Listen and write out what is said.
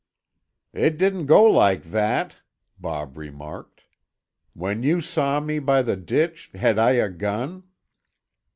"It didn't go like that!" Bob remarked. "When you saw me by the ditch had I a gun?"